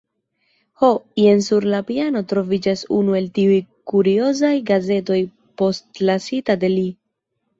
Ho, jen sur la piano troviĝas unu el tiuj kuriozaj gazetoj postlasita de li.